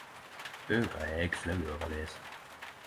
Bøker er eg flau over å ha lese